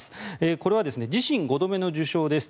これは自身５度目の受賞です。